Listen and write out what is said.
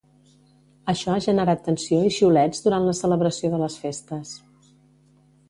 Això ha generat tensió i xiulets durant la celebració de les festes.